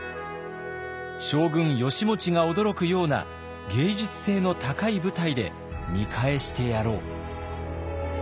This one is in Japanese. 将軍義持が驚くような芸術性の高い舞台で見返してやろう。